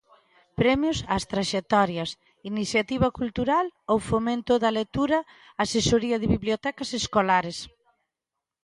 Premios ás traxectorias: Iniciativa cultural ou fomento da lectura Asesoría de Bibliotecas Escolares.